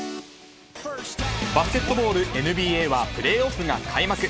バスケットボールＮＢＡは、プレーオフが開幕。